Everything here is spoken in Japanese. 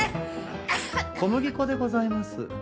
小麦粉でございます。